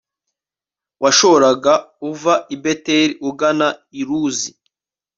washoraga uva i beteli ugana i luzi